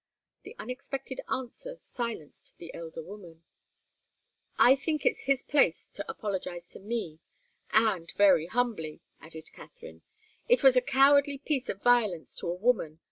The unexpected answer silenced the elder woman. "I think it's his place to apologize to me and very humbly," added Katharine. "It was a cowardly piece of violence to a woman.